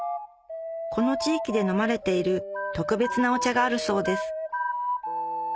この地域で飲まれている特別なお茶があるそうです